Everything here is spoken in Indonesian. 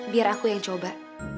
biar aku yang coba